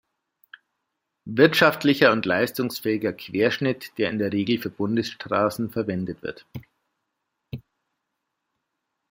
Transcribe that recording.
Wirtschaftlicher und leistungsfähiger Querschnitt, der in der Regel für Bundesstraßen verwendet wird.